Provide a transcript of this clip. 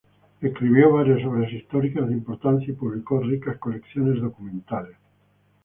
Escribió varias obras históricas de importancia y publicó ricas colecciones documentales.